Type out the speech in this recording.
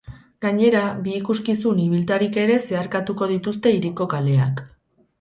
Gainera, bi ikuskizun ibiltarik ere zeharkatuko dituzte hiriko kaleak.